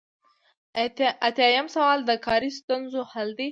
ایاتیام سوال د کاري ستونزو حل دی.